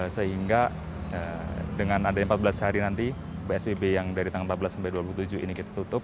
sehingga dengan adanya empat belas hari nanti psbb yang dari tanggal empat belas sampai dua puluh tujuh ini kita tutup